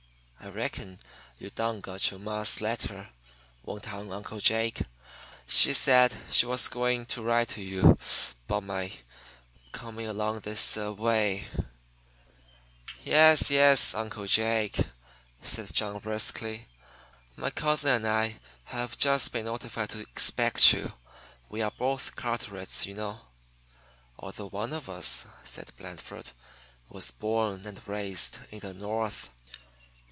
"I reckon you done got you ma's letter," went on Uncle Jake. "She said she was gwine to write to you 'bout my comin' along up this er way. "Yes, yes, Uncle Jake," said John briskly. "My cousin and I have just been notified to expect you. We are both Carterets, you know." "Although one of us," said Blandford, "was born and raised in the North."